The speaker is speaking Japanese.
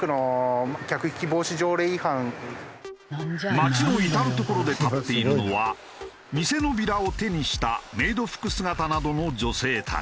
街の至る所で立っているのは店のビラを手にしたメイド服姿などの女性たち。